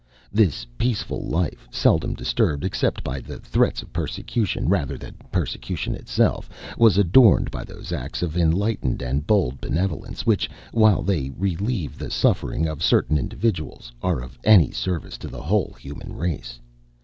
This peaceful life, seldom disturbed except by the threats of persecution rather than persecution itself, was adorned by those acts of enlightened and bold benevolence, which, while they relieve the sufferings of certain individuals, are of any service to the whole human race.